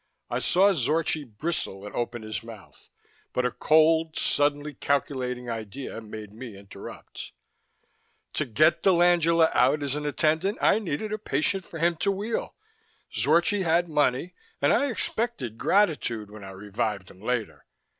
I saw Zorchi bristle and open his mouth, but a cold, suddenly calculating idea made me interrupt. "To get dell'Angela out as an attendant, I needed a patient for him to wheel. Zorchi had money, and I expected gratitude when I revived him later.